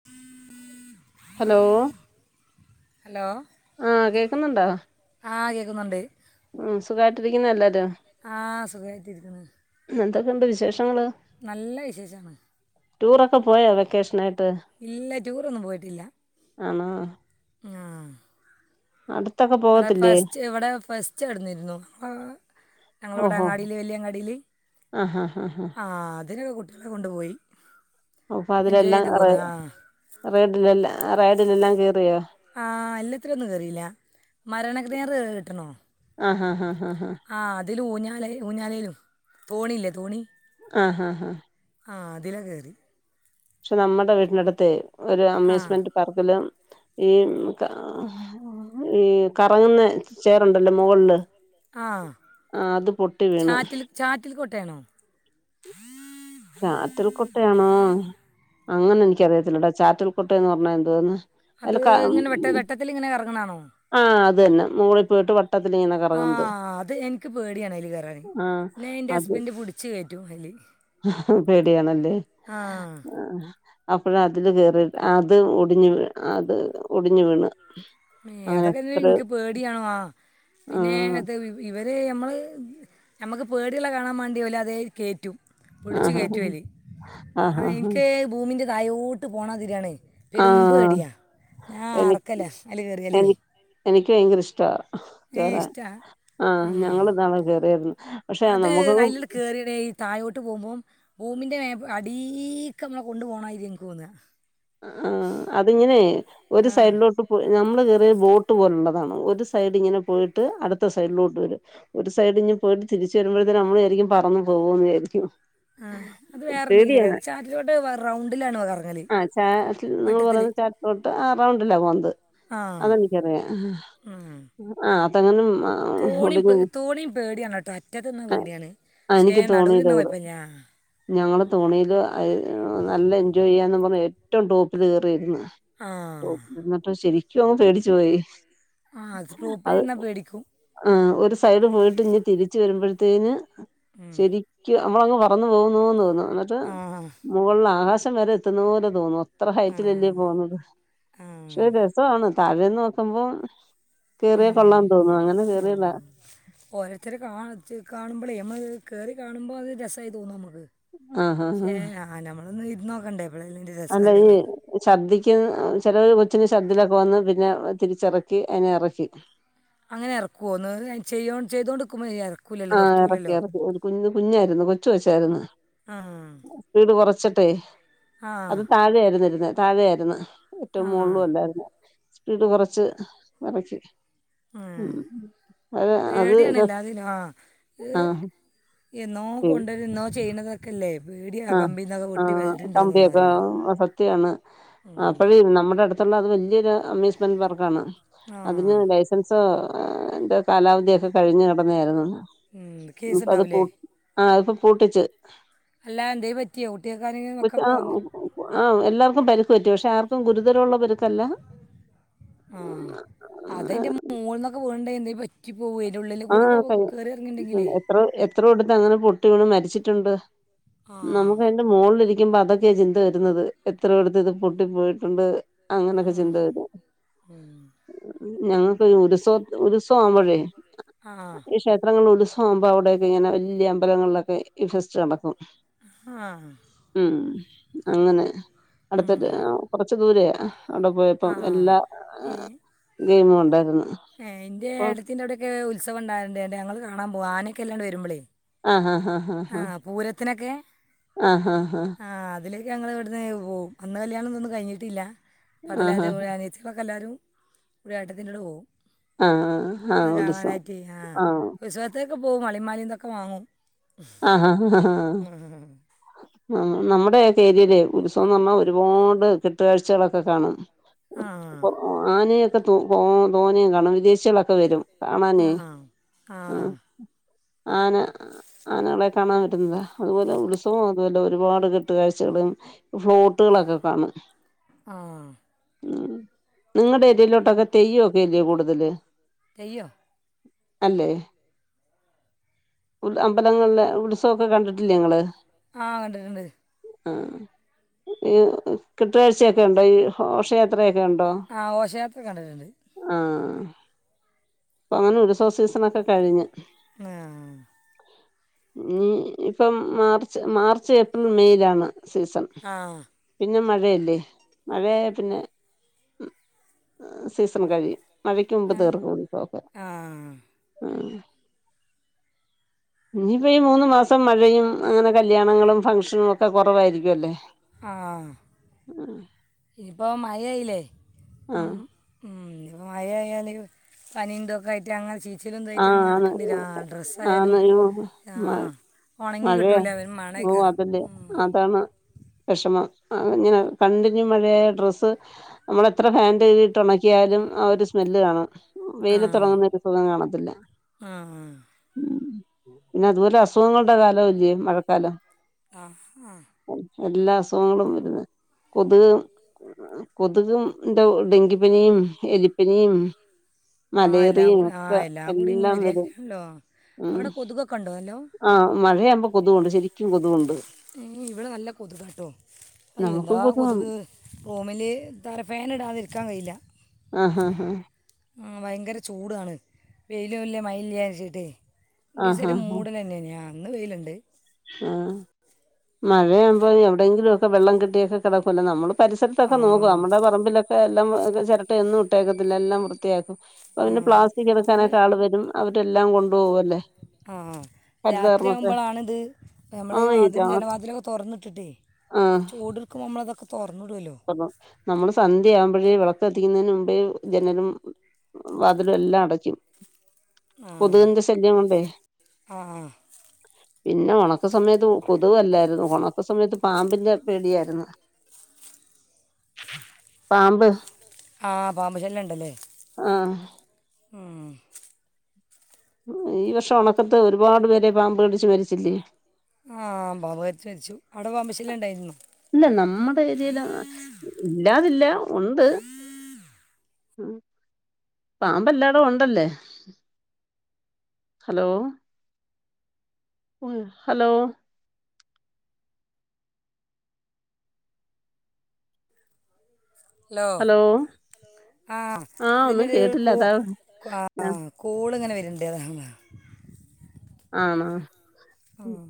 [inaudible] Hello hello ആഹ് കേക്ക്ന്ന്ണ്ടോ ആഹ് കേക്കുന്നുണ്ട് ഉം സുഖായിട്ടിരിക്യുന്നോ എല്ലാരും ആഹ് സുഖായിട്ടിരിക്ക്ണ് എന്തൊക്കെയുണ്ട് നല്ല വിശേഷാണ് റ്റൂറൊക്കെ പോയോ വെക്കേഷനായിട്ട് ഇല്ല ടൂറൊന്നും ആണോ ആഹ് അട്ത്തൊക്കെ ഇവടെ ഫെസ്റ്റ് ഇവടെ ഫെസ്റ്റ് നടന്നിര്ന്നു ഞങ്ങളെ വടെ ഓഹോ അങ്ങാടില് വെല്യ അങ്ങാടില് ആഹ് ആഹ് ആഹ് ആഹ് ആ അതിന്കു ട്ട്യാളേം കൊണ്ടുപോയി എൻജോയ്ത് പോന്ന് ആഹ് റെയ്ഡിലെല്ലാം റയ്ഡിലെല്ലാം കേറിയോ ആ എല്ലത്തിലൊന്നും കേറില്ല മരണ [unintelligible] കേട്ട്ണോ ആഹ് ആഹ് ആഹ് ആഹ് ആ അതില് ഊഞ്ഞാലേ ഊഞ്ഞാലേലും തോണില്ലേ തോണി ആഹ് ഹഹ ആഹ് അതില കേറി പക്ഷെ നമ്മടെ വീട്ടിനടുത്തെ ഒരു ആ അമ്യൂസ്മെന്റ് പാർക്കിലും ഈ ഈ കറങ്ങുന്ന ചെയറുണ്ടല്ലോ മുകൾല് ആ ആഹ് അത് പൊട്ടി വീണ് ചാറ്റിൽ ചാറ്റിൽ കോട്ടേണോ ചാറ്റൽ കൊട്ടയാണോ അങ്ങനെ എനിക്കറിയത്തില്ലെടാ ചാറ്റൽകൊട്ട ന്ന് പർഞ്ഞാ എന്തോന്ന് അത് ഇങ്ങനെ വെ വെട്ടത്തിലിങ്ങനെ എറങ്ങണാണോ ആഹ് അത് തന്നെ മുകളി പോയിട്ട് വട്ട് ആഹ് അത് എൻക്ക് പേടിയാണ് അയ്ല് കേറാന് ആഹ് ന്നെ ന്റെ അത് ഹസ്ബന്റ് പിടി ച്ച് കേറ്റും അയ്ല് പേടിയാണല്ലേ ആഹ് അപ്പഴാ അതില് കേറി അത് ഒടിഞ്ഞ് വീണ് അത് ഒടിഞ്ഞു വീണ് എ അങ്ങനെ അതൊക്കൊര് എത്ര ഇൻക്ക് പേടിയാ ആ പിന്നെ ആഹ് അത് ഇവര് നമ്മള് നമ്മുക്ക് പേടിള്ളത് കാണാൻ വേണ്ടി [unintelligible] കയറ്റു പിടിച്ചു ആഹ് കയറ്റും അയ്ല് ആഹ് ആഹ് എനിക്ക് ഭൂമിന്റെ തായോട്ട് പോണമാതിരിയാണ് ആഹ് [unintelligible] ഞാൻ എനി ആർക്കല എനി എനിക്ക് ഭയങ്കര ഇഷ്ട ഏ കേറാൻ ആഹ് ഞങ്ങള് ഇഷ്ടമാണ് ഇന്നാള് കേറിയാരുന്ന് അത് അയ്ല് [unintelligible] തഴോട്ട് പോകുമ്പം ഭൂമിൻ്റെ മേ അടീക്കമ്മളെ കൊണ്ടു പോണമായിരി എനിക്ക് തോന്ന് ആഹ് അതിങ്ങനെ ഒരു ആ സൈഡിലോട്ട് നമ്മള് കയറിയത് ബോട്ട് പോലുള്ളതാണ് ഒരു സൈഡ് ഇങ്ങനെ പോയിട്ട് അടുത്ത സൈഡിലോട്ട് വരും ഒരു സൈഡ് ഇഞ്ഞ് പോയിട്ട് തിരിച്ച് വരുമ്പോഴത്തിന് നമ്മള് വിചാരിക്കും പറന്ന് പോകുന്ന് വിചാരിക്കും ആഹ് അത് വേറെ എന്തെങ്കിലും പേടിയാണ് [unintelligible] ചാറ്റിലോട്ട് റൗണ്ടിലാണ് കറങ്ങല് ആഹ് ചാറ്റിൽ നിങ്ങൾ പറയുന്ന ചാറ്റിലോട്ട് ആഹ് റൗണ്ടിലാ പോന്നത് ആ അതെനിക്കറിയാം ഉം. ആഹ് [unintelligible] തോണിയും പേ ഒടിഞ്ഞു തോണിയും പേടിയാണ് കേട്ടോ അറ്റത്ത് നിന്നാ പേടിയാണ് ആഹ് പക്ഷേ എനിക്ക് നടുവില് തോണിയിലാ നിന്നാ പോയത് കുഴപ്പമില്ല ഞങ്ങള് തോണിയില് നല്ല എൻജോയ് ചെയ്യാന്ന് പറഞ്ഞ് ഏറ്റവും ടോപ്പിൽ കേറിയിരുന്ന് ആഹ് എന്നിട്ട് ശരിക്കും അങ്ങ് പേടിച്ചു പോയി ആ ടോപ്പിൽ അത് നിന്നാൽ പേടിക്കും ആഹ് ഒരു സൈഡ് പോയിട്ട് ഇഞ്ഞ് തിരിച്ച് വരുമ്പോഴ്ത്തേന് ഉം. ശരി നമ്മളങ്ങ് പറന്നു പോകുന്നൂന്ന് തോന്നും എന്നിട്ട് ആ മുകളില് ആകാശം വരെ എത്തുന്നത് പോലെ തോന്നും അത്ര ആ ഹൈറ്റിലല്ലേ പോകുന്നത് പക്ഷെ ആ രസമാണ് താഴേന്ന് നോക്കുമ്പോ കേറിയാ ഉം കൊള്ളാൻ തോന്നും അങ്ങനെ ആഹ് കേറിയതാ ഓരോരുത്തര് കാ കാണുമ്പോളേ നമ്മളത് കേറി കാണുമ്പോ അത് രസായി തോന്നും നമ്മക്ക് ആഹ് ആഹ് ക്ഷേ ആഹ് നമ്മളൊന്ന് ഇരുന്ന് നോക്കണ്ടേ എപ്പോഴല്ലേ അതിൻ്റെ രസം അറിയുള്ളൂ [unintelligible] ഛർദ്ദിക്കുന്ന് ചിലര് കൊച്ചിന് ചർദ്ദിലൊക്കെ വന്ന് പിന്നെ തിരിച്ചിറക്കി അതിനെ ഇറക്കി അങ്ങനെ ഇറക്കോന്ന് ചെയ്യ ചെയ്തോണ്ട് നിക്കുമ്പോൾ [unintelligible] ആഹ് ഇറക്കി ഇറക്കി ഒരു കുഞ്ഞ് കുഞ്ഞായിരുന്നു കൊച്ചു കൊച്ചായിരുന്നു ആ സ്പീഡ് കുറച്ചട്ടെ ആ അത് താഴെ ആയിരുന്നു ഇരുന്നെ താഴെയായിരുന്നു ഏറ്റവും ആ മോളിലും അല്ലായിരുന്നു സ്പീഡ് കുറച്ച് ഇറക്കി ഉം ആഹ് അത് അത് പേടിയാണ് എല്ലാതിനും ആഹ് ഇത് ആഹ് എന്നോ കൊണ്ടുവരു എന്നോ ചെയ്യുന്നതൊക്കെ ക്കെല്ലേ പേടിയ ആഹ് കമ്പിന്നൊക്കെ പൊട്ടി ആഹ് [unintelligible] കമ്പിയൊക്കെ അറിയില്ല സത്യാണ് ഉം. അപ്പഴേ നമ്മുടെ അടുത്തുള്ള അത് വല്യൊരു അമ്യൂസ്മെന്റ് പാർക് ആണ് ആ അതിന് ലൈ [unintelligible] അതിന്റെ കാലാവധിയൊക്കെ കഴിഞ്ഞു കിടന്നതായിരുന്നു കേസ് ഇനിപ്പോ അത് പൂ ഉണ്ടാവില്ലേ ആഹ് അതിപ്പൊ പൂട്ടിച്ച് അല്ലാ എന്തേലും പറ്റ് [unintelligible] ആഹ് ആഹ് എല്ലാർക്കും പരുക്ക് പറ്റി പക്ഷെ ആർക്കും ഗുരുതരമുള്ള പരുക്കല്ല ആഹ് അതയിന്റെ മോളിന്നൊക്കെ വീണ് ട്ട്ണ്ടെങ്കി എന്തേലും പറ്റ് പറ്റി [unintelligible] അയ്‌ന്റെ ഉള്ളിൽ കൂടൊക്കെ നമ്മക്ക് കേറി ഇറങ്ങുണ്ടങ്കിലേ എത്രോട്ത് അങ്ങനെ പൊട്ടി വീണ് മരിച്ചിട്ടുണ്ട് ആ നമ്മുക്ക് അതിന്റെ മോളിലിരിക്കുമ്പോ അതൊക്കെയ ചിന്ത വരുന്നത് എത്രയോട്ത്ത് ഇത് പൊട്ടി പോയിട്ടുണ്ട് ആ അങ്ങനൊക്കെ ചിന്ത വരും ഉം. ഞങ്ങൾക്ക് ഉത്സ ഉത്സവം ആവുമ്പോഴേ ആഹ് ഈ ക്ഷേത്രങ്ങള്ല് ഉത്സവം ആവുമ്പോ അവിടെയൊക്കെ ഇങ്ങനെ വെല്ല്യ അമ്പലങ്ങള്ലൊക്കെ ഈ ഫെസ്റ്റ് നടക്കും ആഹ് ഉം അങ്ങനെ ഉം. അടുത്തിട്ട് ആഹ് കൊറച്ച് ദൂരയാ അവ്ടെ പോയപ്പോ ആ എല്ലാ ഏ ഏഹ് ഗെയിമും ഒണ്ടായിരുന്നു ഇപ്പോ ഇതിന്റെ എവ്ടൊക്കെ ഉത്സവം ഇണ്ടാവല്ണ്ട് [unintelligible] ഞങ്ങള് കാണാൻ പോവും ആനക്കെ ഈയില്ലാണ്ട് വെരുമ്പളേ ആഹ് ആഹ് ആഹ് ആഹ് പൂരത്തിനൊക്കെ ആഹ് അതില് ഞങ്ങള് ഇവെട്ന്ന് പോവും അന്ന് കല്യാണം ഇതൊന്നും കഴിഞ്ഞിട്ടില്ല [unintelligible] അനിയ ആഹ് ആഹ് [unintelligible] എല്ലാരും ഇവെടെ ഏട്ടത്തിൻ്റോടെ പോവും ആഹ് അത് ആഹ് ഉത്സവം കാണാനായിറ്റെ ആഹ് ഉത്സവത്തിനൊക്കെ പോവും വളിം മാലിം ഇതൊക്കെ വാങ്ങും ആഹ് ആഹ് ആഹ് ഉം. നമ്മുടെക്കെ ഏരിയിലെ ഉത്സവന്ന് പറഞ്ഞാ ഒരി ഒരുപാട് കെട്ടുകാഴ്ചകളൊക്കെ കാണും ആഹ് ഇപ്പൊ ആനയൊക്കെ തൊ തോ തോനെ കാണാ വിദേ ശ്യളൊക്കെ വരും ആ കാണാനേ ആ ആഹ് ആന ആനകളെ കാണാൻ വെരുന്നതാ അതുപോലെ ഉത്സവം അതുപോലെ ഒരുപാട് കെട്ടുകാഴ്ചകളും ഫ്ലോട്ടുകളൊക്കെ കാണും ആ ഉം നിങ്ങടെ ഏരിയിലോട്ടൊക്കെ തെയ്യൊക്കെയല്ലേ കൂടുതല് തെയ്യോ അല്ലേ അമ്പലങ്ങള്ലെ ഉത്സവൊക്കെ കണ്ടിട്ടില്ലേ ഇങ്ങള് ആഹ് കണ്ടിട്ടുണ്ട് ആഹ് ഈ [unintelligible] കെട്ടുകാഴ്ചയൊക്കെയുണ്ടോ ഈ ഹോഷയാത്രയൊക്കെയുണ്ടോ ആ ഘോഷയാത്ര കണ്ടിട്ടുണ്ട് ആഹ് ഇപ്പോ അങ്ങനെ ഉത്സവ സീസണൊക്കെ കഴിഞ്ഞ് ങാഹ് ഉം ഇഞ്ഞ്പ്പം മാർച്ച് മാർച്ച് ഏപ്രിൽ മേയിലാണ് സീസൺ ആ പിന്നെ മഴയല്ലേ മഴയായ പിന്നെ ഉം ഏഹ് സീസൺ കഴിയും മഴയ്ക്ക് മുമ്പ് ഏ? തീർക്കും ഉത്സവൊക്കെ ആ ആഹ് ഇനിയിപ്പം ഈ മൂന്ന് മാസം മഴയും അങ്ങനെ കല്യാണങ്ങളും ഫംഗ്ഷനും ഒക്കെ കൊറവായിരിക്ക്യും അല്ലേ ആഹ് ഇനിപ്പം മഴയായില്ലേ ഉം ആഹ് ഉം ഇഞ്ഞ്പ്പം മഴയായാല് പനിം ഇതൊക്കെ ആയിട്ട് അങ്ങനെ ചീ ച്ചിലും ഇതായിട്ട് അങ്ങ് നടക്കണ്ട് രാ ഡ്രസ്സായാലും ഉം ആഹ് ഒണങ്ങി കിട്ടൂല്ല ഒര് മണേക്കാരം ല് അതാണോ വെഷമം ആഹ് ഇഞ്ഞ്ന്നാല് കണ്ടിന്യൂ മഴയായാ ഡ്രസ്സ് അമ്മള് എത്ര ഫാന്റെ കീഴ്ട്ട് ഒണ ക്കിയാലും ആ ഒരു സ്മെല്ല് കാണും വെയിലത്ത് ആഹ് ഒണങ്ങുന്ന ഒരു സുഖം കാണ ആഹ് ഉം പിന്നെ അതുപോലെ അസുഖങ്ങള്ടെ കാലമല്ലേ മഴക്കാലം ആഹ് എല്ലാ അസുഖങ്ങളും വരുന്നെ കൊതുക് ഉം ആഹ് കൊതുകും ഇണ്ടാവും ഡെങ്കിപ്പനിയും എലിപ്പനിയും മലേറിയയും ഒക്കെ കൂടിങ്ങ് എല്ലാം വരും. വെര്യാണല്ലോ ഉം അവിടെ കൊതുകൊക്കെ ഉണ്ടോ നല്ലോം ആഹ് മഴയാവുമ്പോ കൊതുകുണ്ട് ശരിക്കും കൊതുകുണ്ട് ഏഹ് ഇവിടെ നല്ല കൊതുകാട്ടോ അയ് നമുക്കും എന്താ കൊതുകാണ് കൊതുക് റൂമില് തല ഫാന് ഇടാതെ ഇരിക്കാൻ കഴിയില്ല ആഹ് ആഹ് ആഹ് ആഹ് ഭയങ്കര ചൂടാണ് വെയിലുല്ലേ മഴലാര്ച്ചിട്ടേ ഒരീസം ആഹ് ഒര് ആഹ് ആഹ് മൂടല് തന്നേനി ആഹ് ഇന്ന് വെയില്ണ്ട് ആഹ് മഴയാവുമ്പോ എവിടെയെങ്കിലും ഒക്കെ വെള്ളം കെട്ടിയൊക്കെ കിടക്കൂലെ നമ്മള് പരിസരത്തൊക്കെ നോക്കും ആഹ് നമ്മുടെ പറമ്പിലൊക്കെ എല്ലാം ചിരട്ട് എന്നും ഇട്ടേക്കത്തില്ല എല്ലാം വൃത്തിയാക്കും. ഇപ്പ പിന്നെ ആഹ് പ്ലാസ്റ്റിക് അതിന് എടുക്കാനൊക്കെ ആള്വരും അവരെല്ലാം കൊണ്ടുപോവല്ലേ ആഹ് രാത്രി ആവുമ്പോളാണിത് ഇപ്പ നമ്മള് ഈ ആഹ് വാതിലും രാ ജനവാതിലും ഒക്കെ തുറന്നിട്ടിട്ടേ ആഹ് ചൂട് എടുക്കുമ്പോ നമ്മള് ഇതൊക്കെ തുറന്ന് ഇടുവല്ലോ നമ്മള് സന്ധ്യ ആവുമ്പഴേ വിളക്കത്തിക്കുന്നതിന് മുമ്പേ ജനലും വാതിലും എല്ലാം അടച്ചു ആ കൊതുകിന്റെ ശല്യം കൊണ്ടേ ആ പിന്നെ ഉണക്ക സമയത്ത് കൊതുവല്ലായിരുന്നു ഉണക്ക സമയത്ത് പാമ്പിന്റെ പേടിയായിരുന്നു പാമ്പ് ആഹ് പാമ്പ്ശല്യംൻണ്ടല്ലേ.. ആഹ് ഉം ഈ വർഷം ഉണക്കത്ത് ഒരുപാട് പേരെ പാമ്പ് കടിച്ച്മരിച്ചില്ലേ ആഹ് പാമ്പ് കരിച്ചു മരിച്ചു അവിടെ പാമ്പശല്ല്യംൻണ്ടായിരുന്നു ഇല്ല നമ്മടെ ഏരേ ലാ ഇല്ലാതില്ല ഉണ്ട് പാമ്പ് എല്ലാടും ഒണ്ടല്ലേ ഹലോ ഹലോ ഹലോ ആഹ് ഒന്നും ഇതിന്റെയടയിലൊരു കേട്ടില്ല കൊ അതാ കോള് ഇങ്ങനെ വര്ണ്ട് അതാണ്. ആണോ ആഹ്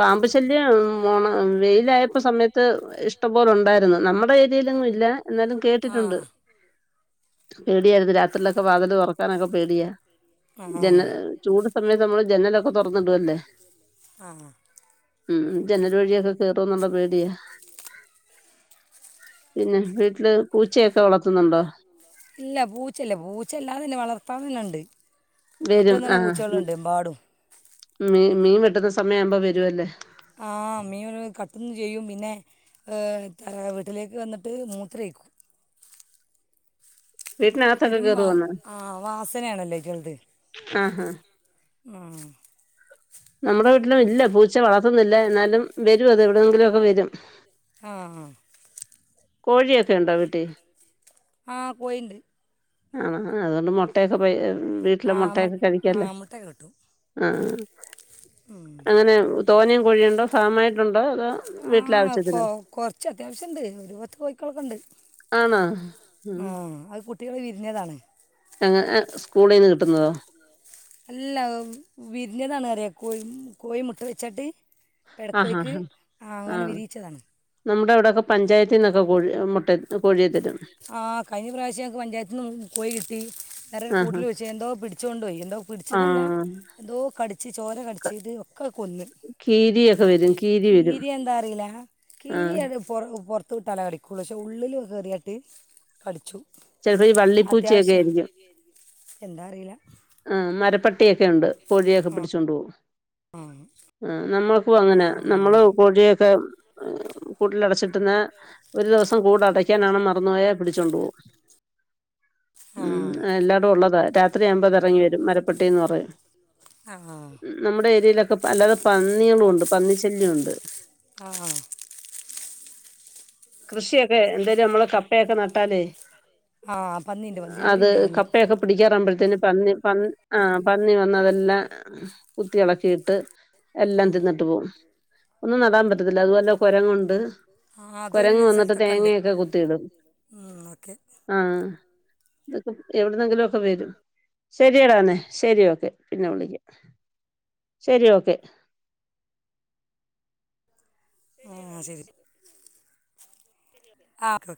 പാമ്പ് ശല്യം ഓണ വെയിലായപ്പോ സമയത്ത് ഇഷ്ടംപോലെ ഉണ്ടായിരുന്നു നമ്മടെ ഏരിയിലൊന്നും ഇല്ല എന്നാലും ആ കേട്ടിട്ടുണ്ട് പേടിയായിരുന്നു രാത്രിയിലൊക്കെ വാതില് തുറക്കാനൊക്കെ പേടിയാ ആ ജന ചൂട് സമയത്ത് നമ്മള് ജനലൊക്കെ തുറന്ന് ടുവല്ലേ ആ ഉം ജനൽ വഴിയൊക്കെ കേറുംന്നുള്ള പേടിയാ പിന്നെ വീട്ടില് പൂച്ചയൊക്കെ വളർത്തുന്നുണ്ടോ ഇല്ല പൂച്ചല്ലേ പൂച്ചല്ലാതെ തന്നെ വളർത്താൽ തന്നെ ഉണ്ട്. വരും വ്ടങ്ങനെ ആ പൂച്ചളുണ്ട് എമ്പാടും മീ മീൻ വെട്ടുന്ന സമയാവുമ്പോവരുംല്ലേ ആഹ് മീൻ കത്തും ചെയ്യും പിന്നെ അഹ് തറവാട്ടിലേക്ക് വന്നിട്ട് മൂത്രേയ്ക്കും. വീട്ടിനകത്തൊക്കെ പെരും കേറുവോന്ന് വാസനേണല്ലോ ചെലത് ആഹാ നമ്മുടെ വീട്ടിലും ഇല്ല പൂച്ച വളർത്തുന്നില്ല എന്നാലും വരും അത് എവിടെന്നെങ്കിലും ഒക്കെ വരും. ആഹാ കോഴിയൊക്കെണ്ടോ വീട്ടിൽ ആ കോഴിയുണ്ട് ആഹ് അതോണ്ട്മൊ മുട്ടയൊക്കെ പോ വീട്ടിലെ ആ മുട്ട മുട്ടയൊക്കെ ആ കഴിക്കേല്ലൊ മുട്ടയൊക്കെ കിട്ടും ആഹ് ഉം. അങ്ങനെ തോന്നയും കോഴിയുണ്ടോ ഫാമായിട്ടുണ്ടോ അതോ വീട്ടിലെ ആവശ്യത്തിന് അത്യാവശ്യണ്ട് ഒരു പത്ത് കോഴക്കളൊക്കെ ഇണ്ട് ആണോ ഉം ആഹ് കുട്ടികള് വിരിഞ്ഞതാണ് ആഹാ സ്കൂളീന്ന് കിട്ടുന്നതോ അല്ല വിരിഞ്ഞതാണ് അറിയ കോഴി കോഴി മുട്ട വെച്ചാട്ട് പെടക്കോയ്ക്ക് അ അങ്ങനെ വിരിയിച്ചതാണ് നമ്മടെ ഇവിടെയൊക്കെ പഞ്ചായത്തീന്നൊക്കെ കോഴി മുട്ടേ കോഴിയെ തരും ആ കഴിഞ്ഞ പ്രാവശ്യം ഞങ്ങക്ക് പഞ്ചായത്തിന്നും കോയി കിട്ടി വേറെ ഒരു കൂട്ടി ആഹാ ൽ വച്ചിന്നു എന്തോ പിടിച്ചു കൊണ്ടോയി എന്തോ പിടിച്ചതല്ല ആഹ് എന്തോ കടിച്ച് ചോരകടിച്ച്ത് ഒക്കെ കൊന്ന് കീരിയൊക്കെ വരും വരും കീരി എന്താ അറീല ആഹ് കീരിഅത് പൊറു പൊർത്ത്ക്ക് തല കടിക്കുള്ളൂ പക്ഷേ ഉള്ളില് കേറി ഇട്ട് കടിച്ചു ചെലപ്പം ഈ വള്ളിപ്പൂച്ചയൊക്കെ അത്യാവശ്യം ആയിരിക്കും. എന്താ അറിയില്ല ആഹ് മരപ്പട്ടിയൊക്കെ ഉണ്ട് കോഴിയേക്കെ പിടിച്ചുകൊണ്ടു പോകും ആഹ് ആ നമ്മൾക്കും അങ്ങനാ നമ്മള് കോഴിയെയൊക്കെ കൂട്ടിലടച്ചിട്ടിരുന്നാ ഒരു ദിവസം കൂട് അടക്കാനെങ്ങാനും മറന്നുപോയാൽ പിടിച്ചോണ്ടു പോവും. ഉം എല്ലാടോം ഒള്ളതാ രാത്രി ആവുമ്പൊ അത് എറങ്ങി വരും മരപ്പട്ടിന്ന് പറയും ആ ഉം നമ്മുടെ ഏരിയയിലൊക്കെ അല്ലാതെ പന്നികളും ഒണ്ട് പന്നിശല്യോണ്ട് ആഹ് ആ കൃഷിയൊക്കെ എന്തേലും അമ്മള് കപ്പയൊക്കെ നട്ടാലേ ആഹ് പന്നിണ്ട് പന്നി ഇവിടെ ഇണ്ട് പന്നി പിടിക്കാറാവുമ്പഴ്ത്തേന് പന്നി പ ആ പന്നി വന്നതെല്ലാം കുത്തിയെളക്കിയിട്ട് എല്ലാം തിന്നിട്ട് പോവും ഒന്നും നടാൻ പറ്റത്തില്ല അതുപോലെ കുരങ്ങുണ്ട് ആ അതൊരു കുരങ്ങ് വന്നിട്ട് തേങ്ങയൊക്കെ കുത്തിയിടും ഉം ഓക്കെ ആഹ് അതൊക് എവിടുന്നെങ്കിലൊക്കെ വരും ശരിയടാ എന്നെ ശരി ഓക്കെ പിന്നെ വിളിക്കാം ശരി ഓക്കെ ആഹ് ശരി ആഹ്